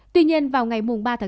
tuy nhiên vào ngày ba bốn